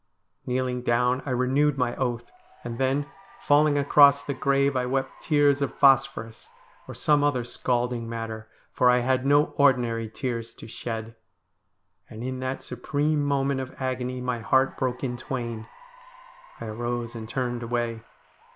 Kneeling down, I renewed my oath, and then, falling across the grave, I wept tears of phosphorus, or some other scalding matter, for I had no ordinary tears to shed. And in that supreme moment of agony my heart broke in twain. I arose and turned away.